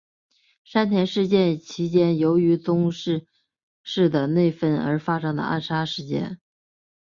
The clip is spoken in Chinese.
山田事件其间由于宗像氏的内纷而发生的暗杀事件。